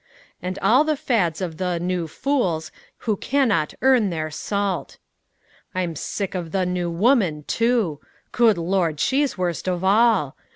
And all the fads of the New Fools Who can not earn their salt. I'm sick of the New Woman, too. Good Lord, she's worst of all.